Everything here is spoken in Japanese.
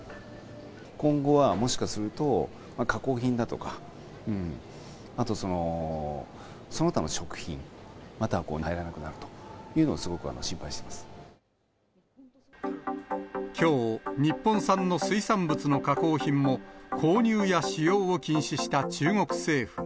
今後はもしかすると、加工品だとか、あとその他の食品手に入らなくなるというのをすごく心配していまきょう、日本産の水産物の加工品も、購入や使用を禁止した中国政府。